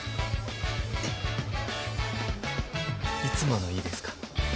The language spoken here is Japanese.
いつものいいですか？